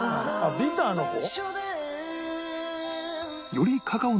ビターの方が？